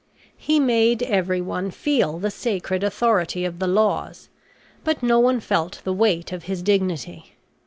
He made everyone feel the sacred authority of the laws, but no one felt the weight of his dignity.